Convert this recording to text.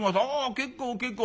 『結構結構。